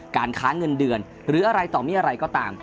การค้าเงินเดือนหรืออะไรต่อมีอะไรก็ตาม